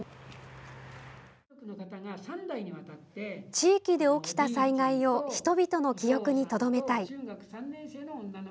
地域で起きた災害を人々の記憶にとどめたい。